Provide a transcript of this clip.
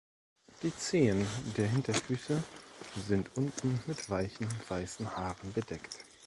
Die Zehen der Hinterfüße sind unten mit weichen weißen Haaren bedeckt.